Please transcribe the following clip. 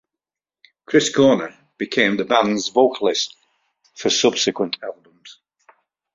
Chris Corner became the band's vocalist for subsequent albums.